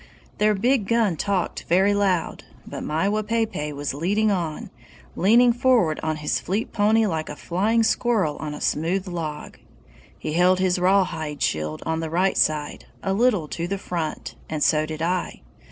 "Their big gun talked very loud, but my Wapaypay was leading on, leaning forward on his fleet pony like a flying squirrel on a smooth log! He held his rawhide shield on the right side, a little to the front, and so did I.